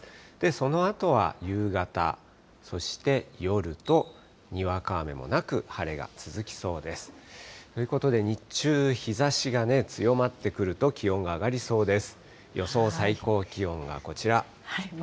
そのあとは夕方、そして夜と、にわか雨もなく、晴れが続きそうです。ということで、日中、日ざしが強まってくると、気温が上がりそうです。